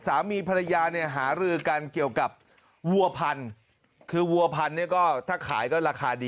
สามีภรรยาเนี่ยหารือกันเกี่ยวกับวัวพันธุ์คือวัวพันธุ์เนี่ยก็ถ้าขายก็ราคาดี